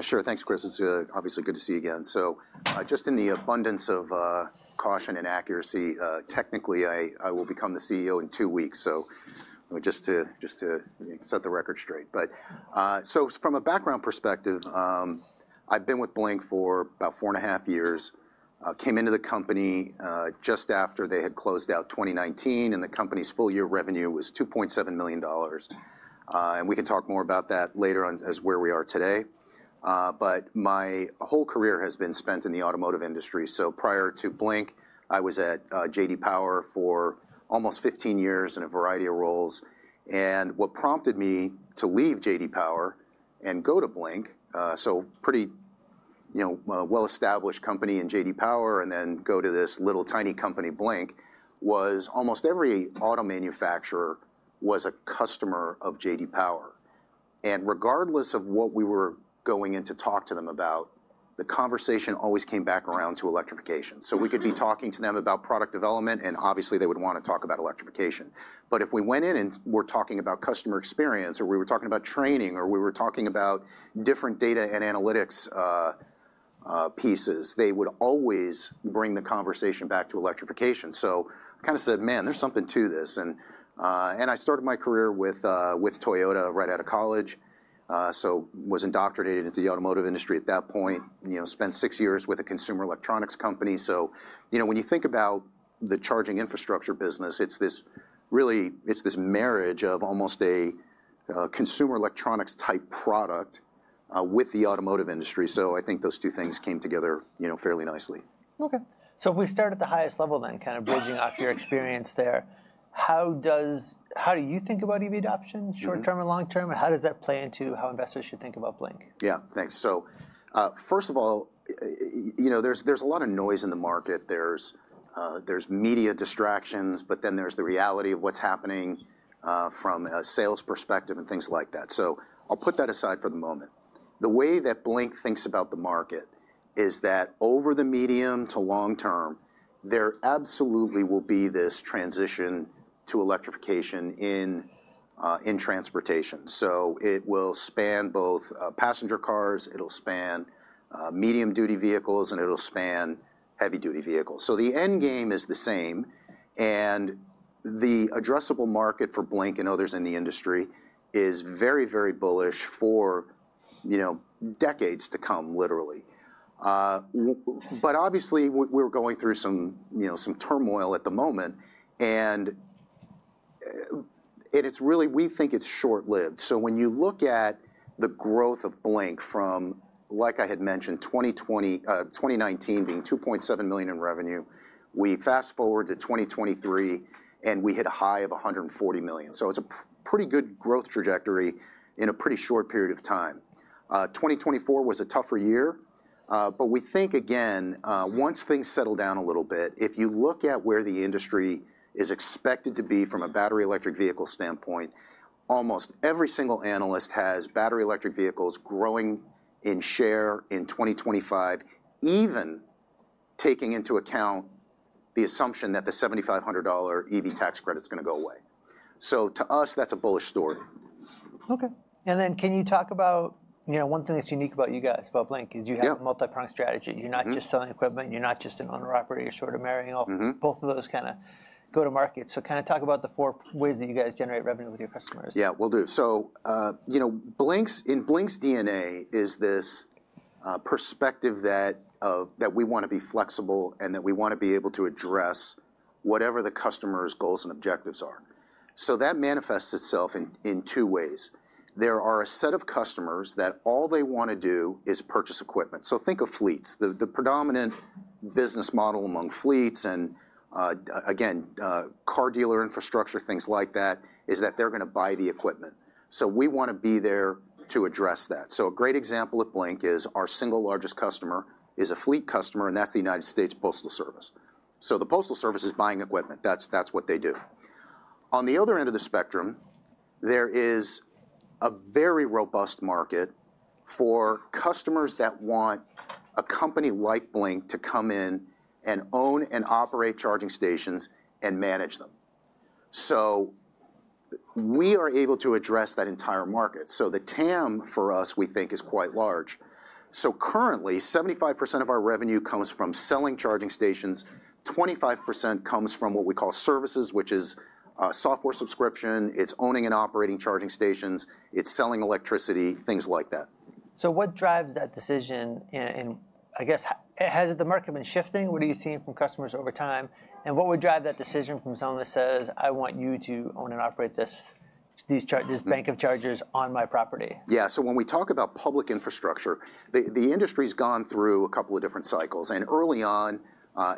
Su`re, thanks, Chris. It's obviously good to see you again, so just in the abundance of caution and accuracy, technically, I will become the CEO in two weeks, so just to set the record straight. But so from a background perspective, I've been with Blink for about four and a half years. I came into the company just after they had closed out 2019, and the company's full-year revenue was $2.7 million. And we can talk more about that later on as to where we are today. But my whole career has been spent in the automotive industry, so prior to Blink, I was at J.D. Power for almost 15 years in a variety of roles. And what prompted me to leave J.D. Power and go to Blink, so a pretty well-established company in J.D. Power, and then go to this little tiny company, Blink. Almost every auto manufacturer was a customer of J.D. Power. And regardless of what we were going in to talk to them about, the conversation always came back around to electrification. So, we could be talking to them about product development, and obviously, they would want to talk about electrification. But if we went in and were talking about customer experience, or we were talking about training, or we were talking about different data and analytics pieces, they would always bring the conversation back to electrification. So, I kind of said, "Man, there's something to this." And I started my career with Toyota right out of college. So, I was indoctrinated into the automotive industry at that point. Spent six years with a consumer electronics company. So, you know, when you think about the charging infrastructure business, it's this marriage of almost a consumer electronics-type product with the automotive industry. So, I think those two things came together fairly nicely. Okay. So, if we start at the highest level then, kind of bridging off your experience there, how do you think about EV adoption, short-term and long-term? And how does that play into how investors should think about Blink? Yeah, thanks. So, first of all, you know, there's a lot of noise in the market. There's media distractions, but then there's the reality of what's happening from a sales perspective and things like that. So, I'll put that aside for the moment. The way that Blink thinks about the market is that over the medium to long term, there absolutely will be this transition to electrification in transportation. So, it will span both passenger cars, it'll span medium-duty vehicles, and it'll span heavy-duty vehicles. So, the end game is the same. And the addressable market for Blink and others in the industry is very, very bullish for decades to come, literally. But obviously, we're going through some turmoil at the moment. And it's really, we think it's short-lived. So, when you look at the growth of Blink from, like I had mentioned, 2019 being $2.7 million in revenue, we fast-forward to 2023, and we hit a high of $140 million. So, it's a pretty good growth trajectory in a pretty short period of time. 2024 was a tougher year. But we think, again, once things settle down a little bit, if you look at where the industry is expected to be from a battery electric vehicle standpoint, almost every single analyst has battery electric vehicles growing in share in 2025, even taking into account the assumption that the $7,500 EV tax credit's going to go away. So, to us, that's a bullish story. Okay. And then can you talk about, you know, one thing that's unique about you guys, about Blink, is you have a multi-pronged strategy. You're not just selling equipment, you're not just an owner-operator, you're sort of marrying both of those kind of go-to-markets. So, kind of talk about the four ways that you guys generate revenue with your customers. Yeah, will do. So, you know, in Blink's DNA is this perspective that we want to be flexible and that we want to be able to address whatever the customer's goals and objectives are. So, that manifests itself in two ways. There are a set of customers that all they want to do is purchase equipment. So, think of fleets. The predominant business model among fleets and, again, car dealer infrastructure, things like that, is that they're going to buy the equipment. So, we want to be there to address that. So, a great example at Blink is our single largest customer is a fleet customer, and that's the United States Postal Service. So, the Postal Service is buying equipment. That's what they do. On the other end of the spectrum, there is a very robust market for customers that want a company like Blink to come in and own and operate charging stations and manage them. So, we are able to address that entire market. So, the TAM for us, we think, is quite large. So, currently, 75% of our revenue comes from selling charging stations, 25% comes from what we call services, which is software subscription, it's owning and operating charging stations, it's selling electricity, things like that. So, what drives that decision? And I guess, has the market been shifting? What are you seeing from customers over time? And what would drive that decision from someone that says, "I want you to own and operate this bank of chargers on my property"? Yeah. So, when we talk about public infrastructure, the industry's gone through a couple of different cycles. And early on,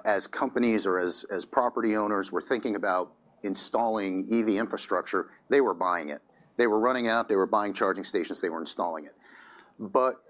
as companies or as property owners were thinking about installing EV infrastructure, they were buying it. They were running out, they were buying charging stations, they were installing it. But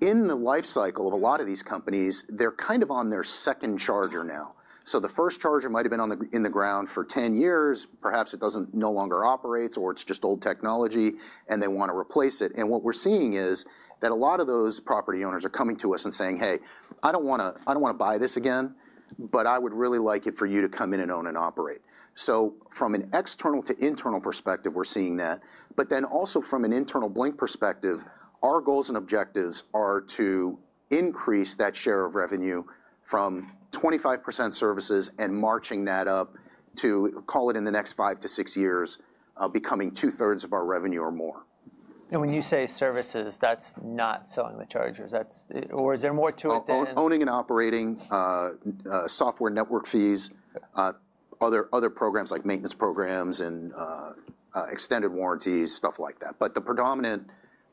in the life cycle of a lot of these companies, they're kind of on their second charger now. So, the first charger might have been in the ground for 10 years, perhaps it doesn't no longer operate, or it's just old technology, and they want to replace it. And what we're seeing is that a lot of those property owners are coming to us and saying, "Hey, I don't want to buy this again, but I would really like it for you to come in and own and operate." So, from an external to internal perspective, we're seeing that. But then also from an internal Blink perspective, our goals and objectives are to increase that share of revenue from 25% services and marching that up to, call it in the next five to six years, becoming two-thirds of our revenue or more. When you say services, that's not selling the chargers? Or is there more to it than? Owning and operating, software network fees, other programs like maintenance programs and extended warranties, stuff like that. But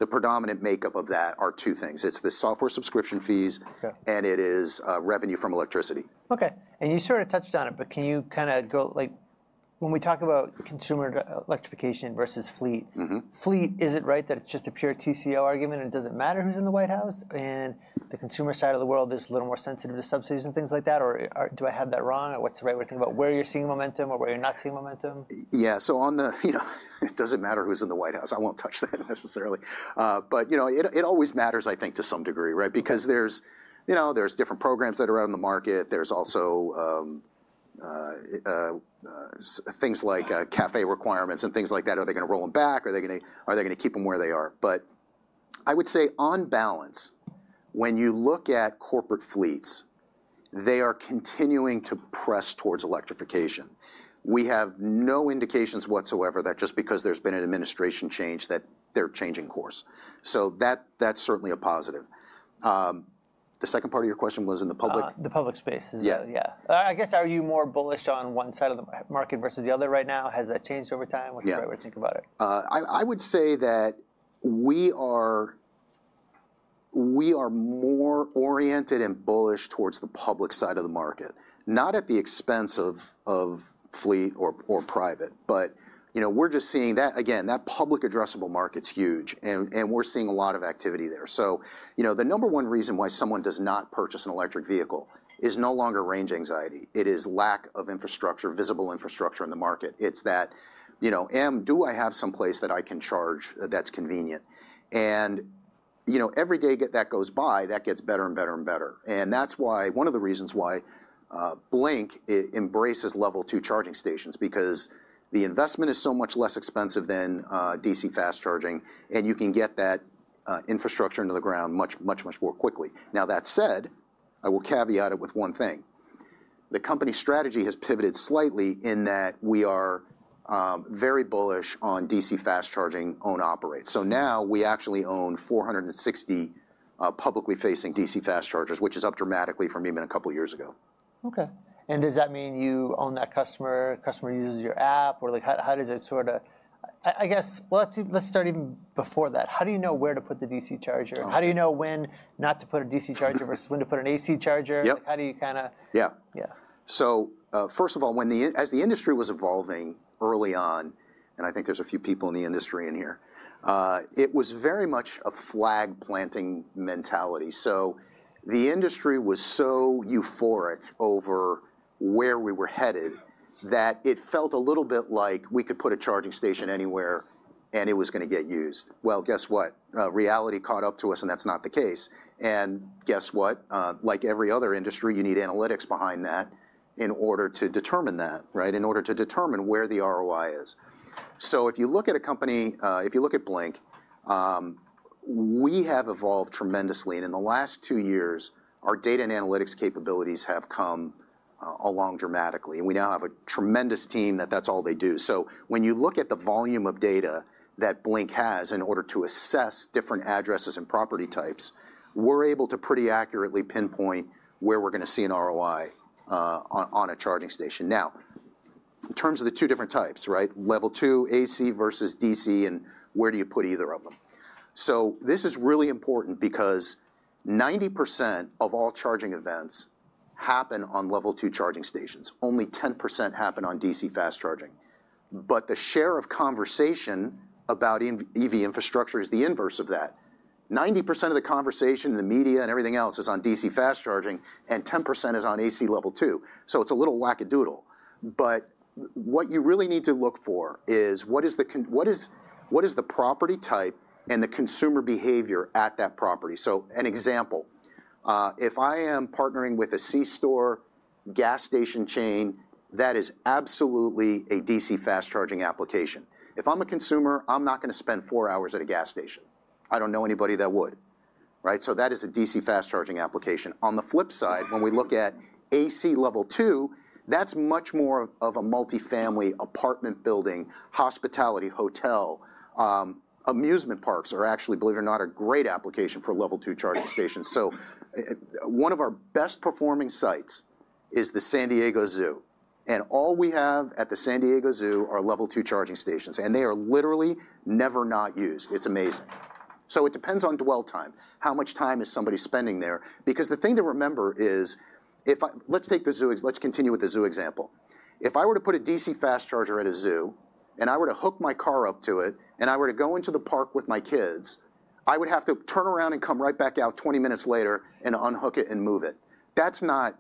the predominant makeup of that are two things. It's the software subscription fees, and it is revenue from electricity. Okay. And you sort of touched on it, but can you kind of go, like, when we talk about consumer electrification versus fleet, is it right that it's just a pure TCO argument and it doesn't matter who's in the White House? And the consumer side of the world is a little more sensitive to subsidies and things like that? Or do I have that wrong? What's the right way to think about where you're seeing momentum or where you're not seeing momentum? Yeah. So, on the, you know, it doesn't matter who's in the White House. I won't touch that necessarily. But, you know, it always matters, I think, to some degree, right? Because there's, you know, there's different programs that are out on the market. There's also things like CAFE requirements and things like that. Are they going to roll them back? Are they going to keep them where they are? But I would say on balance, when you look at corporate fleets, they are continuing to press towards electrification. We have no indications whatsoever that just because there's been an administration change that they're changing course. So, that's certainly a positive. The second part of your question was in the public. The public space. Yeah. Yeah. I guess, are you more bullish on one side of the market versus the other right now? Has that changed over time? What's the right way to think about it? Yeah. I would say that we are more oriented and bullish towards the public side of the market, not at the expense of fleet or private, but you know, we're just seeing that, again, that public addressable market's huge, and we're seeing a lot of activity there, so you know, the number one reason why someone does not purchase an electric vehicle is no longer range anxiety. It is lack of infrastructure, visible infrastructure in the market. It's that, you know, "Um, do I have someplace that I can charge that's convenient?" And you know, every day that goes by, that gets better and better and better. And that's why one of the reasons why Blink embraces level two charging stations, because the investment is so much less expensive than DC fast charging, and you can get that infrastructure into the ground much, much, much more quickly. Now, that said, I will caveat it with one thing. The company strategy has pivoted slightly in that we are very bullish on DC fast charging owned/operated. So, now we actually own 460 publicly facing DC fast chargers, which is up dramatically from even a couple of years ago. Okay. And does that mean you own that customer, customer uses your app? Or like, how does it sort of, I guess, well, let's start even before that. How do you know where to put the DC charger? How do you know when not to put a DC charger versus when to put an AC charger? How do you kind of. Yeah. Yeah. So, first of all, as the industry was evolving early on, and I think there's a few people in the industry in here, it was very much a flag-planting mentality. So, the industry was so euphoric over where we were headed that it felt a little bit like we could put a charging station anywhere and it was going to get used. Well, guess what? Reality caught up to us, and that's not the case. And guess what? Like every other industry, you need analytics behind that in order to determine that, right? In order to determine where the ROI is. So, if you look at a company, if you look at Blink, we have evolved tremendously. And in the last two years, our data and analytics capabilities have come along dramatically. And we now have a tremendous team that's all they do. So, when you look at the volume of data that Blink has in order to assess different addresses and property types, we're able to pretty accurately pinpoint where we're going to see an ROI on a charging station. Now, in terms of the two different types, right? Level 2, AC versus DC, and where do you put either of them? So, this is really important because 90% of all charging events happen on Level 2 charging stations. Only 10% happen on DC fast charging. But the share of conversation about EV infrastructure is the inverse of that. 90% of the conversation in the media and everything else is on DC fast charging, and 10% is on AC Level 2. So, it's a little wackadoodle. But what you really need to look for is what is the property type and the consumer behavior at that property? So, an example, if I am partnering with a C-store gas station chain, that is absolutely a DC Fast Charging application. If I'm a consumer, I'm not going to spend four hours at a gas station. I don't know anybody that would, right? So, that is a DC Fast Charging application. On the flip side, when we look at AC Level 2, that's much more of a multifamily apartment building, hospitality, hotel, amusement parks are actually, believe it or not, a great application for Level 2 charging stations. So, one of our best performing sites is the San Diego Zoo. And all we have at the San Diego Zoo are Level 2 charging stations. And they are literally never not used. It's amazing. So, it depends on dwell time. How much time is somebody spending there? Because the thing to remember is, let's take the zoo, let's continue with the zoo example. If I were to put a DC fast charger at a zoo, and I were to hook my car up to it, and I were to go into the park with my kids, I would have to turn around and come right back out 20 minutes later and unhook it and move it. That's not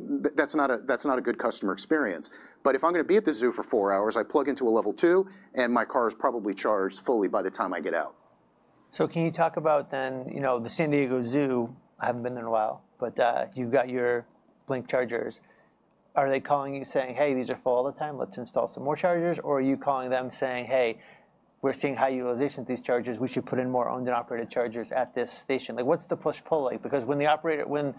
a good customer experience. But if I'm going to be at the zoo for four hours, I plug into a level two, and my car is probably charged fully by the time I get out. So, can you talk about then, you know, the San Diego Zoo? I haven't been there in a while, but you've got your Blink chargers. Are they calling you saying, "Hey, these are full all the time, let's install some more chargers"? Or are you calling them saying, "Hey, we're seeing high utilization at these chargers, we should put in more owned and operated chargers at this station"? Like, what's the push-pull like? Because when the operator, when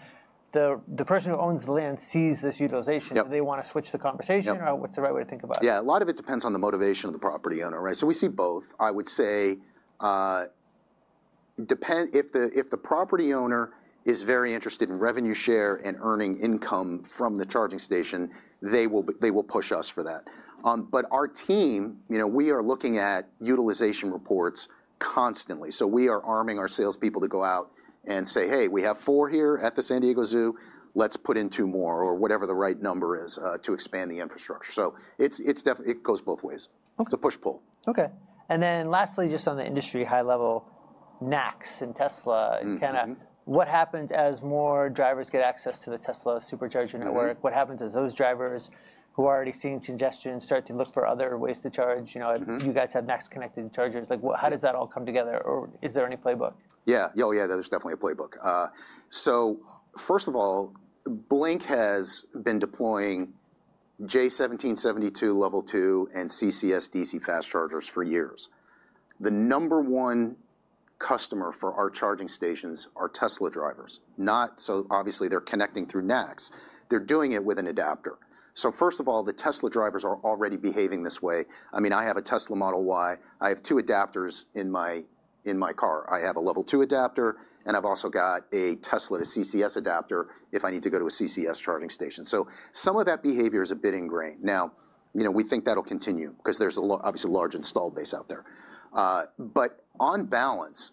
the person who owns the land sees this utilization, do they want to switch the conversation? Or what's the right way to think about it? Yeah, a lot of it depends on the motivation of the property owner, right? So, we see both. I would say, if the property owner is very interested in revenue share and earning income from the charging station, they will push us for that. But our team, you know, we are looking at utilization reports constantly. So, we are arming our salespeople to go out and say, "Hey, we have four here at the San Diego Zoo, let's put in two more," or whatever the right number is to expand the infrastructure. So, it goes both ways. It's a push-pull. Okay. And then lastly, just on the industry high level, NACS and Tesla, kind of what happens as more drivers get access to the Tesla Supercharger network? What happens as those drivers who are already seeing congestion start to look for other ways to charge? You know, you guys have NACS connected chargers. Like, how does that all come together? Or is there any playbook? Yeah. Oh, yeah, there's definitely a playbook. So, first of all, Blink has been deploying J1772 Level 2 and CCS DC fast chargers for years. The number one customer for our charging stations are Tesla drivers. No, so obviously they're connecting through NACS. They're doing it with an adapter. So, first of all, the Tesla drivers are already behaving this way. I mean, I have a Tesla Model Y. I have two adapters in my car. I have a Level 2 adapter, and I've also got a Tesla to CCS adapter if I need to go to a CCS charging station. So, some of that behavior is a bit ingrained. Now, you know, we think that'll continue because there's obviously a large installed base out there. But on balance,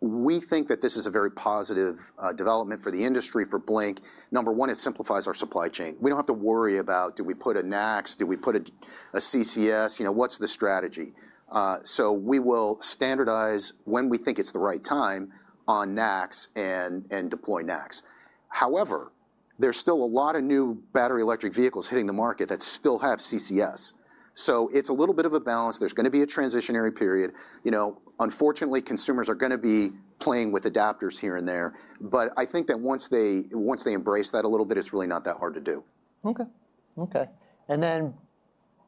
we think that this is a very positive development for the industry, for Blink. Number one, it simplifies our supply chain. We don't have to worry about, do we put a NACS, do we put a CCS, you know, what's the strategy? So, we will standardize when we think it's the right time on NACS and deploy NACS. However, there's still a lot of new battery electric vehicles hitting the market that still have CCS. So, it's a little bit of a balance. There's going to be a transitionary period. You know, unfortunately, consumers are going to be playing with adapters here and there. But I think that once they embrace that a little bit, it's really not that hard to do. Okay. Okay. And then,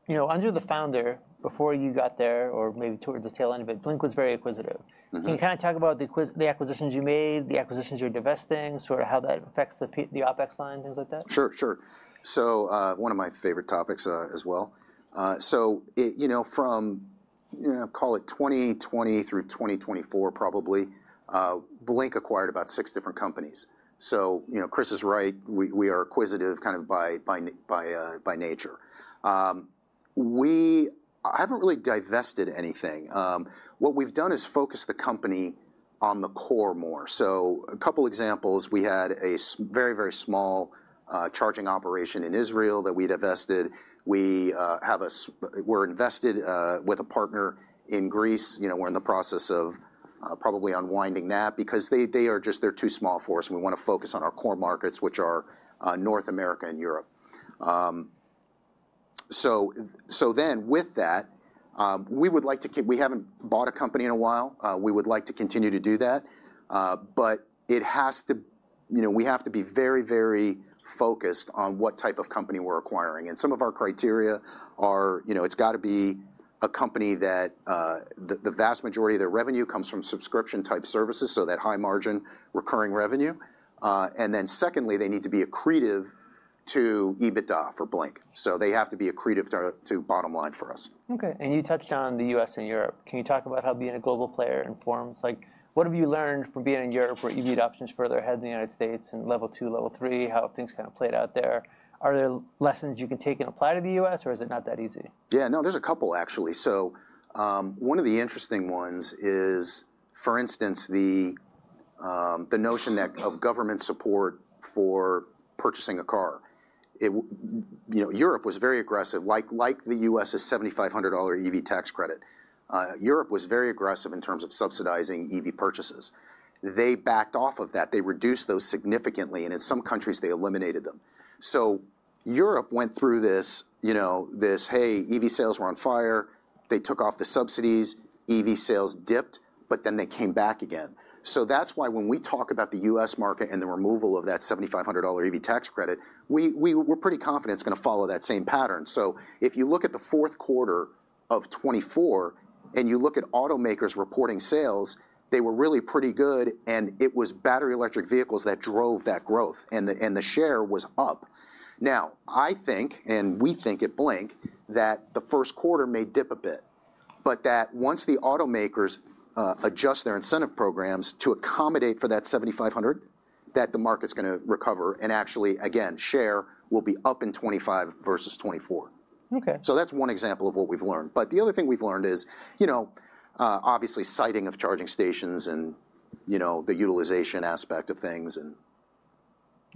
you know, under the founder, before you got there or maybe towards the tail end of it, Blink was very acquisitive. Can you kind of talk about the acquisitions you made, the acquisitions you're divesting, sort of how that affects the OpEx line, things like that? Sure, sure. So, one of my favorite topics as well. So, you know, from, call it 2020 through 2024, probably, Blink acquired about six different companies. So, you know, Chris is right, we are acquisitive kind of by nature. We haven't really divested anything. What we've done is focus the company on the core more. So, a couple of examples, we had a very, very small charging operation in Israel that we divested. We were invested with a partner in Greece. You know, we're in the process of probably unwinding that because they are just, they're too small for us. And we want to focus on our core markets, which are North America and Europe. So, then with that, we would like to, we haven't bought a company in a while. We would like to continue to do that. But it has to, you know, we have to be very, very focused on what type of company we're acquiring. And some of our criteria are, you know, it's got to be a company that the vast majority of their revenue comes from subscription-type services, so that high-margin recurring revenue. And then secondly, they need to be accretive to EBITDA for Blink. So, they have to be accretive to bottom line for us. Okay. And you touched on the U.S. and Europe. Can you talk about how being a global player informs? Like, what have you learned from being in Europe where EV adoption is further ahead than the United States and Level 2, Level 3, how things kind of played out there? Are there lessons you can take and apply to the U.S., or is it not that easy? Yeah, no, there's a couple actually. So, one of the interesting ones is, for instance, the notion of government support for purchasing a car. You know, Europe was very aggressive, like the U.S.'s $7,500 EV tax credit. Europe was very aggressive in terms of subsidizing EV purchases. They backed off of that. They reduced those significantly. And in some countries, they eliminated them. So, Europe went through this, you know, this, hey, EV sales were on fire. They took off the subsidies. EV sales dipped, but then they came back again. So, that's why when we talk about the U.S. market and the removal of that $7,500 EV tax credit, we're pretty confident it's going to follow that same pattern. So, if you look at the fourth quarter of 2024 and you look at automakers reporting sales, they were really pretty good. And it was battery electric vehicles that drove that growth. And the share was up. Now, I think, and we think at Blink, that the first quarter may dip a bit, but that once the automakers adjust their incentive programs to accommodate for that $7,500, that the market's going to recover. And actually, again, share will be up in 2025 versus 2024. Okay. So, that's one example of what we've learned. But the other thing we've learned is, you know, obviously siting of charging stations and, you know, the utilization aspect of things and.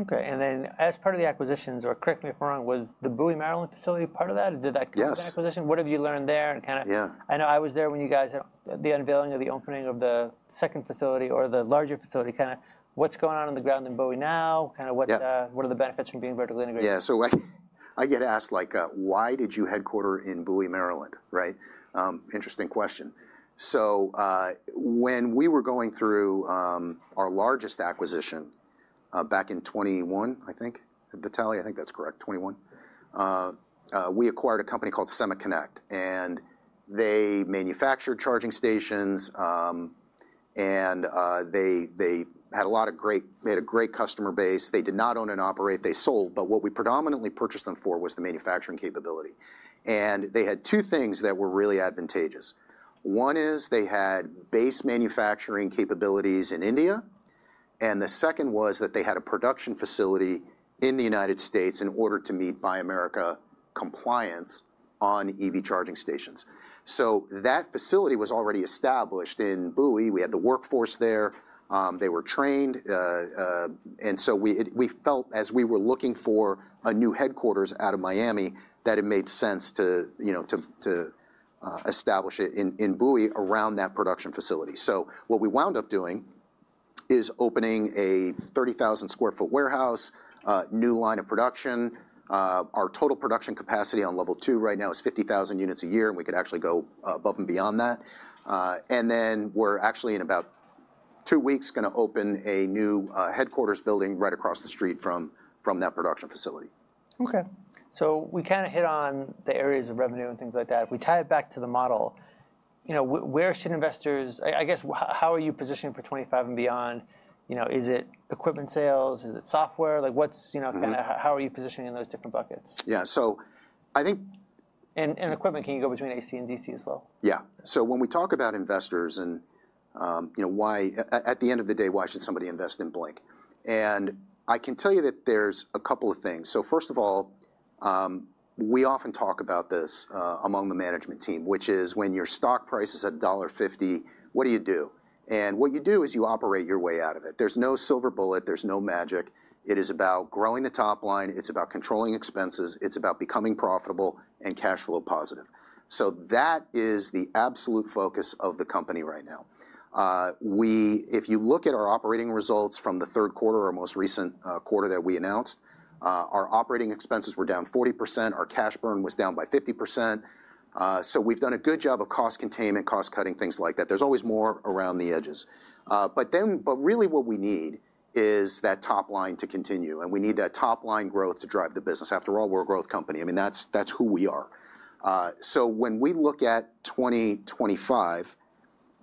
Okay. And then as part of the acquisitions, or correct me if I'm wrong, was the Bowie, Maryland facility part of that? Did that come with the acquisition? Yes. What have you learned there? And kind of, I know I was there when you guys had the unveiling of the opening of the second facility or the larger facility. Kind of what's going on on the ground in Bowie now? Kind of what are the benefits from being vertically integrated? Yeah. So, I get asked like, why did you headquarter in Bowie, Maryland, right? Interesting question. So, when we were going through our largest acquisition back in 2021, I think, Vitalie, I think that's correct, 2021, we acquired a company called SemaConnect. And they manufactured charging stations. And they had a lot of great, made a great customer base. They did not own and operate. They sold. But what we predominantly purchased them for was the manufacturing capability. And they had two things that were really advantageous. One is they had base manufacturing capabilities in India. And the second was that they had a production facility in the United States in order to meet Buy America compliance on EV charging stations. So, that facility was already established in Bowie. We had the workforce there. They were trained. And so, we felt, as we were looking for a new headquarters out of Miami, that it made sense to, you know, to establish it in Bowie around that production facility. So, what we wound up doing is opening a 30,000 sq ft warehouse, new line of production. Our total production capacity on Level 2 right now is 50,000 units a year. And we could actually go above and beyond that. And then we're actually in about two weeks going to open a new headquarters building right across the street from that production facility. Okay. So, we kind of hit on the areas of revenue and things like that. If we tie it back to the model, you know, where should investors, I guess, how are you positioning for 2025 and beyond? You know, is it equipment sales? Is it software? Like, what's, you know, kind of how are you positioning in those different buckets? Yeah. So, I think. Equipment, can you go between AC and DC as well? Yeah. So, when we talk about investors and, you know, why, at the end of the day, why should somebody invest in Blink? And I can tell you that there's a couple of things. So, first of all, we often talk about this among the management team, which is when your stock price is at $1.50, what do you do? And what you do is you operate your way out of it. There's no silver bullet. There's no magic. It is about growing the top line. It's about controlling expenses. It's about becoming profitable and cash flow positive. So, that is the absolute focus of the company right now. If you look at our operating results from the third quarter, our most recent quarter that we announced, our operating expenses were down 40%. Our cash burn was down by 50%. We've done a good job of cost containment, cost cutting, things like that. There's always more around the edges. But then, but really what we need is that top line to continue. And we need that top line growth to drive the business. After all, we're a growth company. I mean, that's who we are. So, when we look at 2025,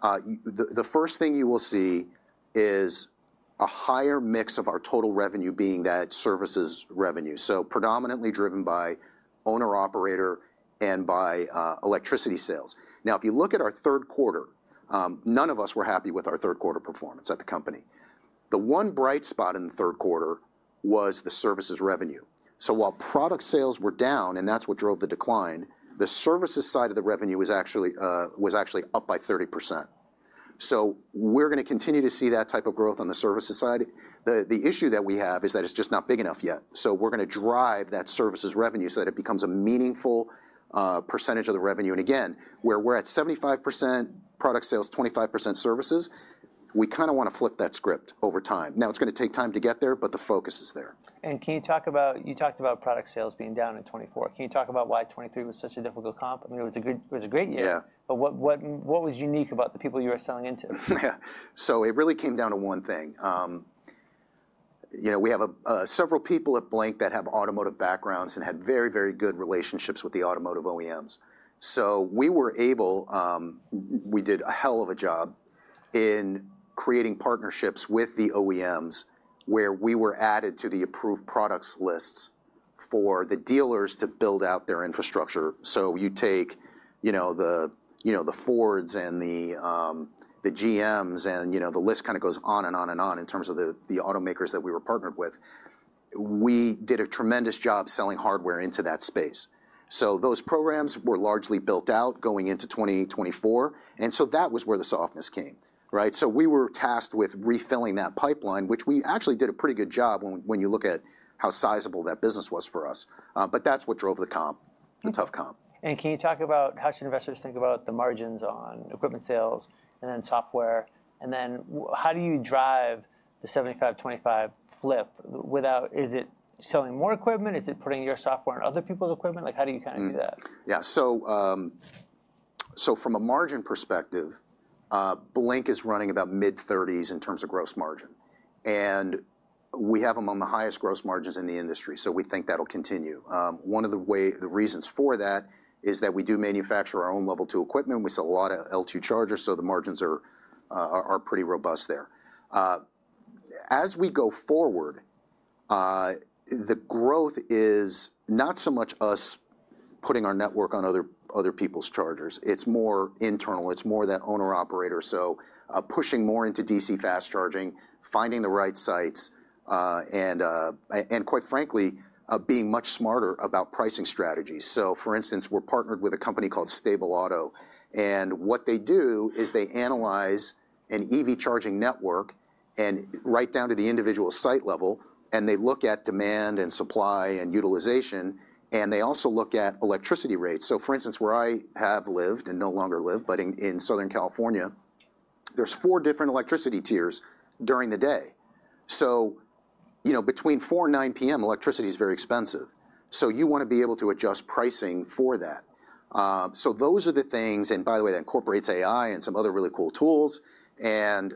the first thing you will see is a higher mix of our total revenue being that services revenue. So, predominantly driven by owner-operator and by electricity sales. Now, if you look at our third quarter, none of us were happy with our third quarter performance at the company. The one bright spot in the third quarter was the services revenue. So, while product sales were down, and that's what drove the decline, the services side of the revenue was actually up by 30%. We're going to continue to see that type of growth on the services side. The issue that we have is that it's just not big enough yet. We're going to drive that services revenue so that it becomes a meaningful percentage of the revenue. Again, where we're at 75% product sales, 25% services, we kind of want to flip that script over time. Now, it's going to take time to get there, but the focus is there. And can you talk about, you talked about product sales being down in 2024. Can you talk about why 2023 was such a difficult comp? I mean, it was a great year. Yeah. But what was unique about the people you were selling into? Yeah. So, it really came down to one thing. You know, we have several people at Blink that have automotive backgrounds and had very, very good relationships with the automotive OEMs. So, we were able, we did a hell of a job in creating partnerships with the OEMs where we were added to the approved products lists for the dealers to build out their infrastructure. So, you take, you know, the Fords and the GMs and, you know, the list kind of goes on and on and on in terms of the automakers that we were partnered with. We did a tremendous job selling hardware into that space. So, those programs were largely built out going into 2024. And so, that was where the softness came, right? So, we were tasked with refilling that pipeline, which we actually did a pretty good job when you look at how sizable that business was for us. But that's what drove the comp, the tough comp. And can you talk about how should investors think about the margins on equipment sales and then software? And then how do you drive the '75, '25 flip without, is it selling more equipment? Is it putting your software in other people's equipment? Like, how do you kind of do that? Yeah. So, from a margin perspective, Blink is running about mid-30s% in terms of gross margin. And we have among the highest gross margins in the industry. So, we think that'll continue. One of the reasons for that is that we do manufacture our own Level 2 equipment. We sell a lot of L2 chargers. So, the margins are pretty robust there. As we go forward, the growth is not so much us putting our network on other people's chargers. It's more internal. It's more that owner-operator. So, pushing more into DC fast charging, finding the right sites, and quite frankly, being much smarter about pricing strategies. So, for instance, we're partnered with a company called Stable Auto. And what they do is they analyze an EV charging network and right down to the individual site level, and they look at demand and supply and utilization. And they also look at electricity rates. So, for instance, where I have lived and no longer live, but in Southern California, there's four different electricity tiers during the day. So, you know, between 4:00 P.M. and 9:00 P.M., electricity is very expensive. So, you want to be able to adjust pricing for that. So, those are the things. And, by the way, that incorporates AI and some other really cool tools. And,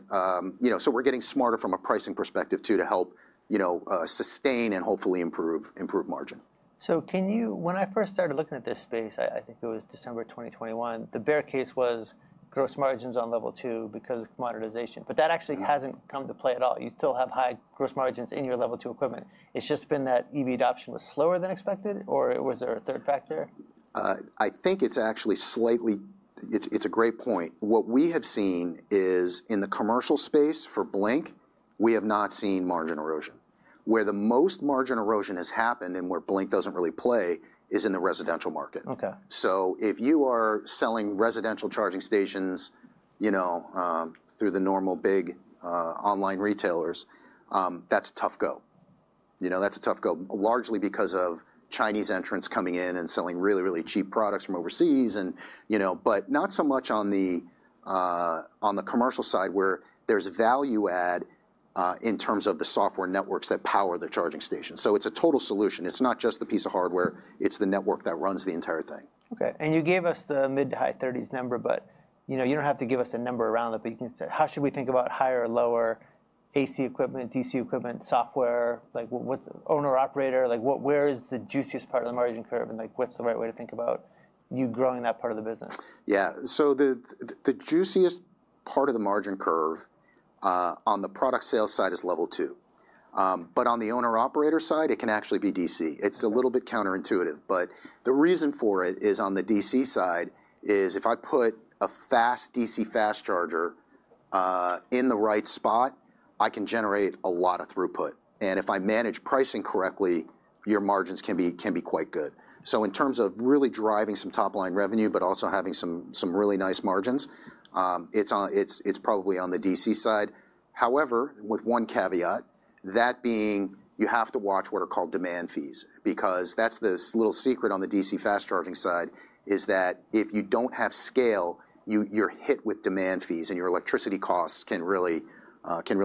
you know, so we're getting smarter from a pricing perspective too, to help, you know, sustain and hopefully improve margin. So, can you, when I first started looking at this space, I think it was December 2021, the bear case was gross margins on Level 2 because of commoditization. But that actually hasn't come to play at all. You still have high gross margins in your Level 2 equipment. It's just been that EV adoption was slower than expected? Or was there a third factor? I think it's actually slightly, it's a great point. What we have seen is in the commercial space for Blink, we have not seen margin erosion. Where the most margin erosion has happened and where Blink doesn't really play is in the residential market. Okay. So, if you are selling residential charging stations, you know, through the normal big online retailers, that's a tough go. You know, that's a tough go largely because of Chinese entrants coming in and selling really, really cheap products from overseas. And, you know, but not so much on the commercial side where there's value add in terms of the software networks that power the charging stations. So, it's a total solution. It's not just the piece of hardware. It's the network that runs the entire thing. Okay. And you gave us the mid to high 30s number, but, you know, you don't have to give us a number around it, but you can say, how should we think about higher or lower AC equipment, DC equipment, software? Like, what's owner-operator? Like, where is the juiciest part of the margin curve? And like, what's the right way to think about you growing that part of the business? Yeah. So, the juiciest part of the margin curve on the product sales side is Level 2. But on the owner-operator side, it can actually be DC. It's a little bit counterintuitive. But the reason for it is on the DC side is if I put a fast DC fast charger in the right spot, I can generate a lot of throughput. And if I manage pricing correctly, your margins can be quite good. So, in terms of really driving some top line revenue, but also having some really nice margins, it's probably on the DC side. However, with one caveat, that being you have to watch what are called demand fees. Because that's this little secret on the DC fast charging side is that if you don't have scale, you're hit with demand fees and your electricity costs can really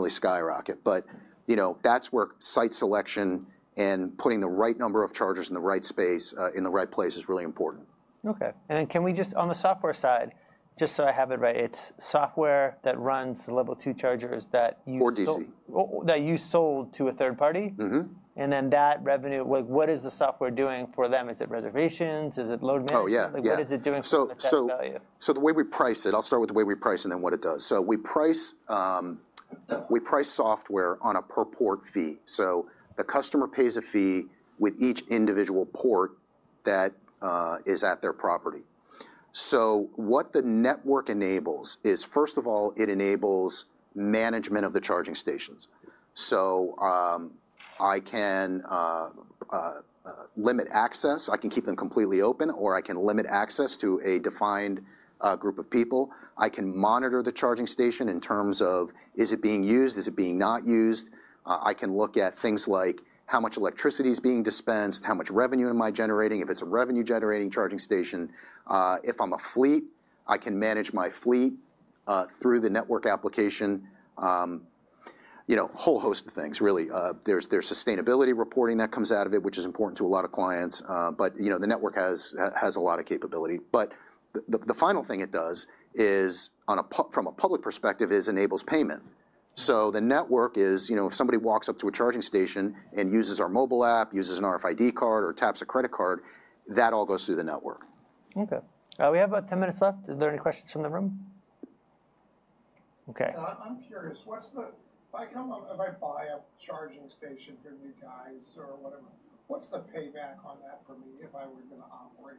skyrocket. But, you know, that's where site selection and putting the right number of chargers in the right space in the right place is really important. Okay. And then can we just, on the software side, just so I have it right, it's software that runs the Level 2 chargers that you sold. Or DC. That you sold to a third party? Mm-hmm. And then that revenue, like, what is the software doing for them? Is it reservations? Is it load management? Oh, yeah. Like, what is it doing for that value? The way we price it, I'll start with the way we price and then what it does. We price software on a per port fee. The customer pays a fee with each individual port that is at their property. What the network enables is, first of all, it enables management of the charging stations. I can limit access. I can keep them completely open, or I can limit access to a defined group of people. I can monitor the charging station in terms of is it being used, is it being not used. I can look at things like how much electricity is being dispensed, how much revenue am I generating if it's a revenue-generating charging station. If I'm a fleet, I can manage my fleet through the network application. You know, whole host of things, really. There's sustainability reporting that comes out of it, which is important to a lot of clients. But, you know, the network has a lot of capability. But the final thing it does is, from a public perspective, it enables payment. So, the network is, you know, if somebody walks up to a charging station and uses our mobile app, uses an RFID card or taps a credit card, that all goes through the network. Okay. We have about 10 minutes left. Is there any questions from the room? Okay. I'm curious, what's the, if I buy a charging station for new guys or whatever, what's the payback on that for me if I were going to operate?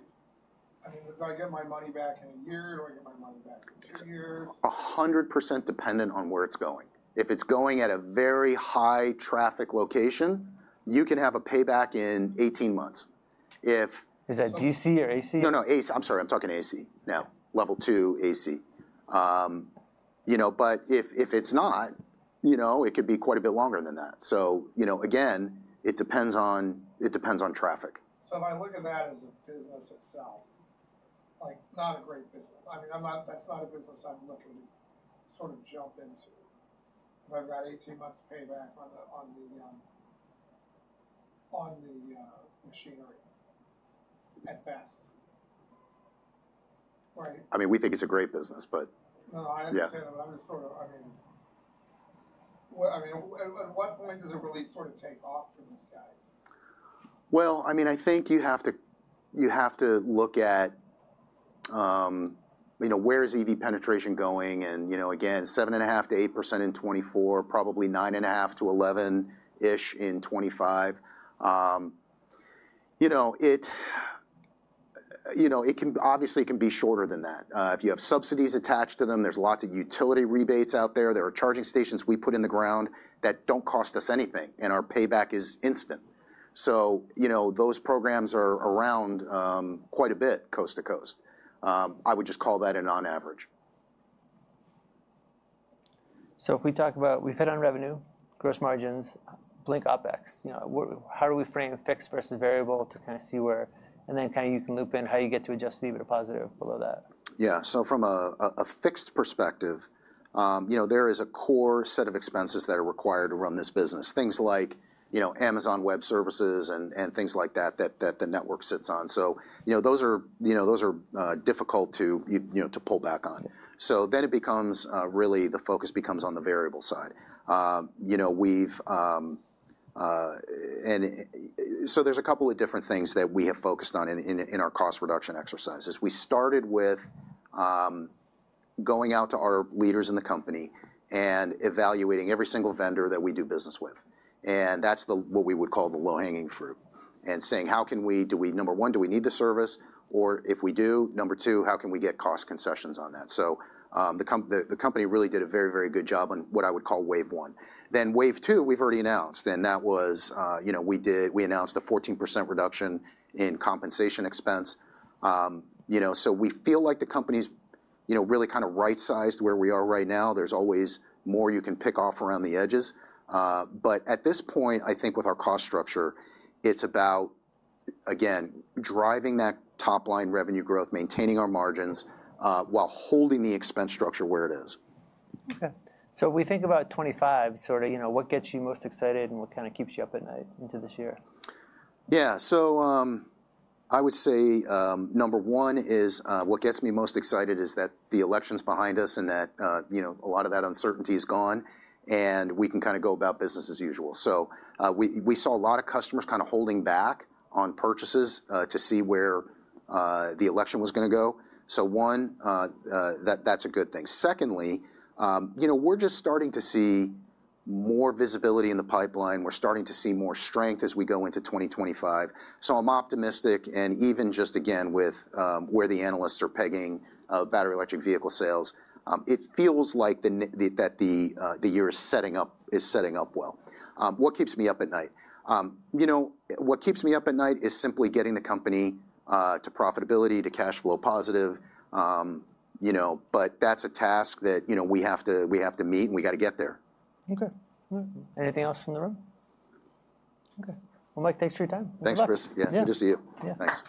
I mean, do I get my money back in a year? Do I get my money back in two years? 100% dependent on where it's going. If it's going at a very high traffic location, you can have a payback in 18 months. If. Is that DC or AC? No, no, AC. I'm sorry. I'm talking AC. Now, Level 2 AC. You know, but if it's not, you know, it could be quite a bit longer than that. So, you know, again, it depends on traffic. So, if I look at that as a business itself, like, not a great business. I mean, that's not a business I'm looking to sort of jump into. If I've got 18 months payback on the machinery at best, right? I mean, we think it's a great business, but. No, I understand, but I'm just sort of, I mean, at what point does it really sort of take off for these guys? I mean, I think you have to look at, you know, where is EV penetration going? And, you know, again, 7.5-8% in 2024, probably 9.5-11% in 2025. You know, it can obviously be shorter than that. If you have subsidies attached to them, there's lots of utility rebates out there. There are charging stations we put in the ground that don't cost us anything, and our payback is instant. So, you know, those programs are around quite a bit coast to coast. I would just call that on average. So, if we talk about, we've hit on revenue, gross margins, Blink OpEx, you know, how do we frame fixed versus variable to kind of see where, and then kind of you can loop in how you get to adjust to be a bit positive below that. Yeah. So, from a fixed perspective, you know, there is a core set of expenses that are required to run this business. Things like, you know, Amazon Web Services and things like that that the network sits on. So, you know, those are difficult to, you know, to pull back on. So, then it becomes really the focus becomes on the variable side. You know, we've, and so there's a couple of different things that we have focused on in our cost reduction exercises. We started with going out to our leaders in the company and evaluating every single vendor that we do business with. And that's what we would call the low-hanging fruit and saying, how can we, do we, number one, do we need the service? Or if we do, number two, how can we get cost concessions on that? The company really did a very, very good job on what I would call wave one. Then wave two, we've already announced, and that was, you know, we did, we announced a 14% reduction in compensation expense. You know, so we feel like the company's, you know, really kind of right-sized where we are right now. There's always more you can pick off around the edges. At this point, I think with our cost structure, it's about, again, driving that top line revenue growth, maintaining our margins while holding the expense structure where it is. Okay. So, if we think about 2025, sort of, you know, what gets you most excited and what kind of keeps you up at night into this year? Yeah. So, I would say number one is what gets me most excited is that the election's behind us and that, you know, a lot of that uncertainty is gone and we can kind of go about business as usual. So, we saw a lot of customers kind of holding back on purchases to see where the election was going to go. So, one, that's a good thing. Secondly, you know, we're just starting to see more visibility in the pipeline. We're starting to see more strength as we go into 2025. So, I'm optimistic and even just, again, with where the analysts are pegging battery electric vehicle sales, it feels like that the year is setting up well. What keeps me up at night? You know, what keeps me up at night is simply getting the company to profitability, to cash flow positive, you know, but that's a task that, you know, we have to meet and we got to get there. Okay. Anything else from the room? Okay. Well, Mike, thanks for your time. Thanks, Chris. Yeah, good to see you. Thanks.